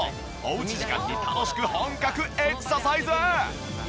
おうち時間に楽しく本格エクササイズ！